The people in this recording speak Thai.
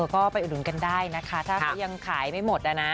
ก็ไปอุดหนุนกันได้นะคะถ้าเขายังขายไม่หมดนะ